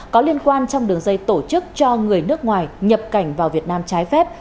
có liên quan trong đường dây tổ chức cho người nước ngoài nhập cảnh vào việt nam trái phép